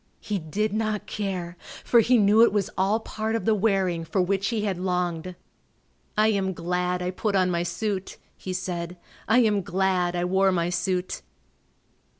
He did not care, for he knew it was all part of the wearing for which he had longed. "I am glad I put on my suit," he said; "I am glad I wore my suit."